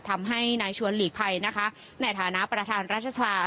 ทำให้นายชวนหลีกภัยนะคะ